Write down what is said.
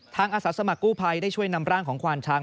อาสาสมัครกู้ภัยได้ช่วยนำร่างของควานช้าง